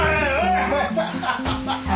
ハハハハ！